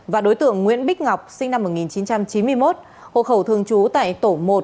và đối tượng nguyễn bích ngọc sinh năm một nghìn chín trăm chín mươi một hộ khẩu thường trú tại tổ một